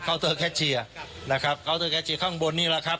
เตอร์แคชเชียร์นะครับเคาน์เตอร์แคชเชียร์ข้างบนนี่แหละครับ